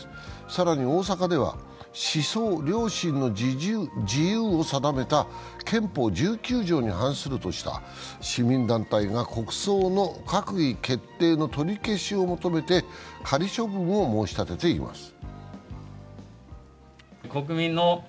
更に大阪では思想・良心の自由を定めた憲法１９条に反するとした市民団体が国葬の閣議決定の取り消しを求めて仮処分を申し立てています。